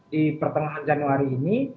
di pertengahan januari ini